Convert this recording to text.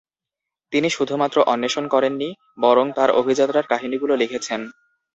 তিনি শুধুমাত্র অন্বেষণ করেন নি বরং তার অভিযাত্রার কাহিনীগুলো লিখেছেন।